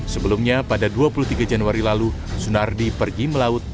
sebelumnya pada dua puluh tiga januari lalu sunardi pergi melaut